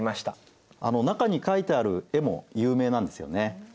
あの中に書いてある絵も有名なんですよね。